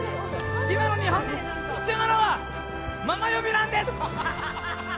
今の日本に必要なのはママ呼びなんです！